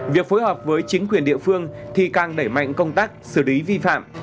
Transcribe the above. việc phối hợp với chính quyền địa phương thì càng đẩy mạnh công tác xử lý vi phạm